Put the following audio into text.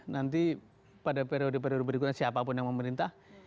nanti pada periode periode berikutnya siapapun yang memerintah